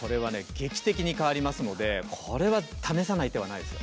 劇的に変わりますのでこれは試さない手はないですよ。